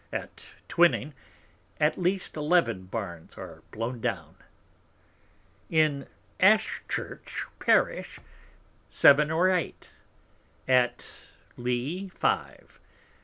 At Twyning, at least eleven Barns are blown down. In Ashchurch Parish seven or eight. At Lee, five.